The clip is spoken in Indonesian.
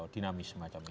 dinamis semacam itu